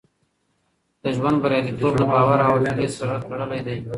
د ژوند بریالیتوب د باور او حوصله سره تړلی دی.